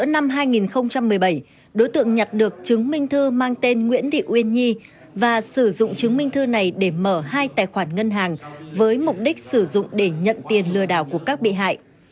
năm hai nghìn một mươi bảy đối tượng nhặt được chứng minh thư mang tên nguyễn thị uyên nhi và sử dụng chứng minh thư này để mở hai tài khoản ngân hàng với mục đích sử dụng để nhận tiền lừa đảo của các bị hại